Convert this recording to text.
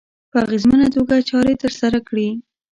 په اغېزمنه توګه چارې ترسره کړي.